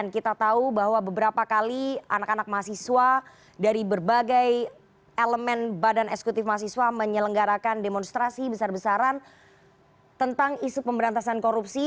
kita tahu bahwa beberapa kali anak anak mahasiswa dari berbagai elemen badan eksekutif mahasiswa menyelenggarakan demonstrasi besar besaran tentang isu pemberantasan korupsi